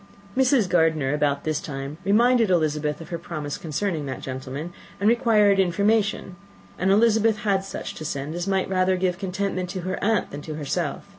Mrs. Gardiner about this time reminded Elizabeth of her promise concerning that gentleman, and required information; and Elizabeth had such to send as might rather give contentment to her aunt than to herself.